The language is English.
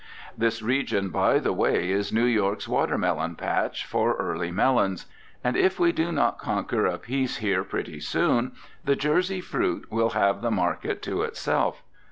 This region, by the way, is New York's watermelon patch for early melons; and if we do not conquer a peace here pretty soon, the Jersey fruit will have the market to itself.